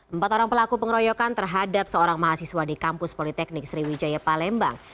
empat orang pelaku pengeroyokan terhadap seorang mahasiswa di kampus politeknik sriwijaya palembang